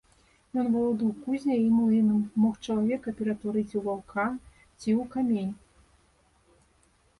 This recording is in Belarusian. Ён валодаў кузняй і млынам, мог чалавека ператварыць у ваўка ці ў камень.